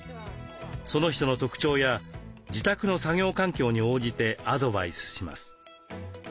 その人の特徴や自宅の作業環境に応じてアドバイスします。